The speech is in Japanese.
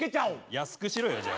安くしろよじゃあ。